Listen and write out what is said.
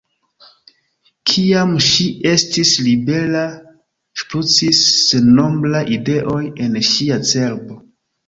Kiam ŝi estis libera, ŝprucis sennombraj ideoj en ŝia cerbo.